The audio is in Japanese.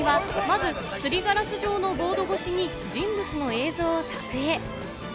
この仕組みは、まず、すりガラス状のボード越しに人物の映像を撮影。